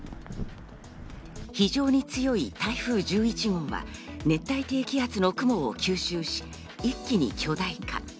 非常に強い台風１１号は熱帯低気圧の雲を吸収し一気に巨大化。